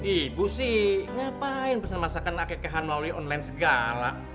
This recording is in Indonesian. ibu sih ngapain pesan masakan akekahan melalui online segala